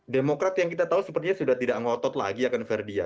demokrat yang kita tahu sepertinya sudah tidak ngotot lagi ya kan ferdia